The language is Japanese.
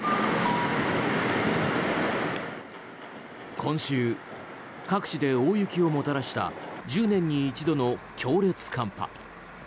今週、各地で大雪をもたらした１０年に一度の強烈寒波。